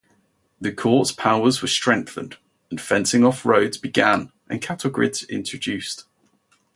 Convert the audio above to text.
The Court's powers were strengthened, and fencing of roads began and cattle grids introduced.